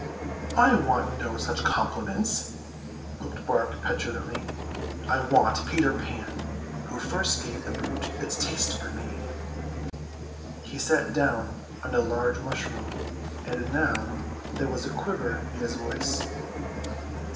"I want no such compliments," Hook barked petulantly. "I want Peter Pan, who first gave the brute its taste for me." He sat down on a large mushroom, and now there was a quiver in his voice.